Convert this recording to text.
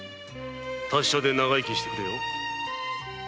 達者で長生きしてくれよ。